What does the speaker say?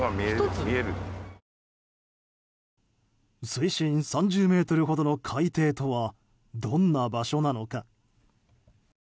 水深３０ｍほどの海底とはどんな場所なのか。